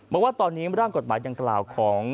บอกว่าตอนนี้ร่างกฎหมายดังกล่าวของ